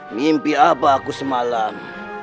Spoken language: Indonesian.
mimpi apa aku semalam